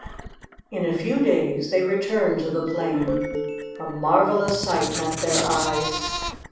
In a few days they returned to the plain. A marvelous sight met their eyes.